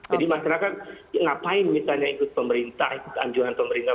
jadi masyarakat ngapain misalnya ikut pemerintah ikut anjuran pemerintah